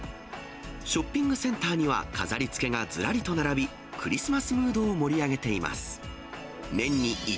ショッピングセンターには飾りつけがずらりと並び、クリスマスムードを盛り上げています。